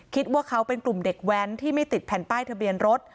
คิดว่าเขาเป็นกลุ่มเด็กแว้นที่ไม่ติดแผ่นป้ายทะเบียนรถ